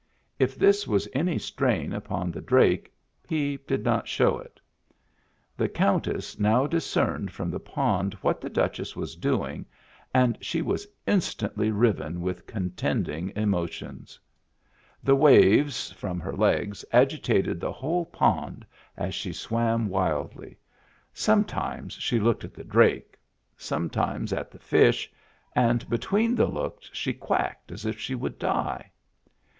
If this was any strain upon the drake, he did not show it. The Countess now discerned from the pond what the Duchess was doing and she was instantly riven with contending emotions. The waves Digitized by Google 3o8 MEMBERS OF THE FAMILY from her legs agitated the whole pond as she swam wildly ; sometimes she looked at the drake, sometimes at the fish, and between the looks she quacked as if she would die.